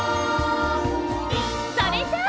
それじゃあ！